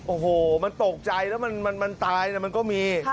โอ้โหมันตกใจแล้วมันตายมันก็มี